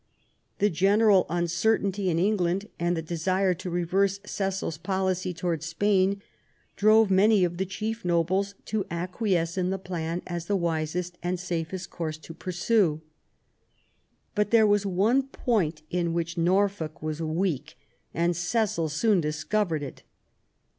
The general un certainty in England and the desire to reverse Cecil's policy towards Spain drove many of the chief nobles to acquiesce in the plan as the wisest and safest course to pursue. But there was one point in which Norfolk was weak, and Cecil soon discovered it.